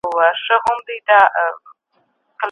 مرتد کېدل د خاوند او ميرمني تر منځ بيلتون راوړي.